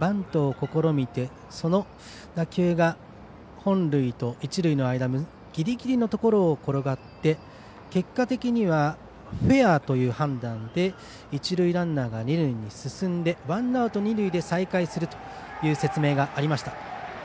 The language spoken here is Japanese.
バントを試みてその打球が本塁と一塁の間のギリギリのところを転がって結果的にはフェアという判断で一塁ランナーが二塁に進んでワンアウト二塁で再開するという説明がありました。